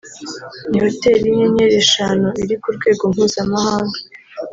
ni hoteli y’inyenyeri eshanu iri ku rwego mpuzamahanga